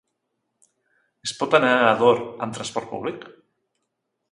Es pot anar a Ador amb transport públic?